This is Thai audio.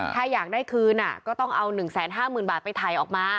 ถ้าอยากได้คืนก็ต้องเอา๑๕๐๐๐บาทไปถ่ายออกมา